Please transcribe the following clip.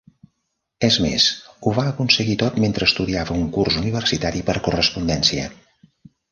És més, ho va aconseguir tot mentre estudiava un curs universitari per correspondència.